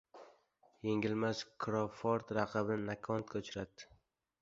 Yengilmas Krouford raqibini nokautga uchratdi